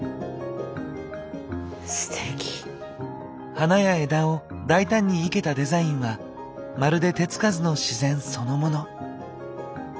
花や枝を大胆に生けたデザインはまるで手つかずの自然そのもの。